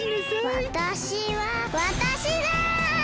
わたしはわたしだ！